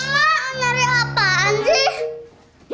ketemu emang ngeri apaan sih